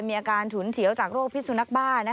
มีอาการฉุนเฉียวจากโรคพิษสุนักบ้า